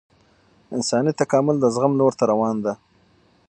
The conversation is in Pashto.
انساني تکامل د زغم لور ته روان دی